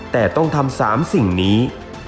แต่ต้องทำ๓สิ่งนี้